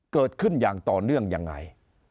เกิดขึ้นอย่างต่อเนื่องยังไง